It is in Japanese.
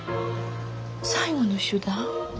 最後の手段？